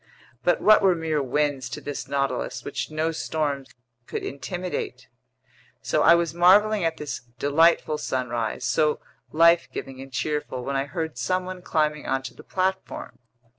But what were mere winds to this Nautilus, which no storms could intimidate! So I was marveling at this delightful sunrise, so life giving and cheerful, when I heard someone climbing onto the platform.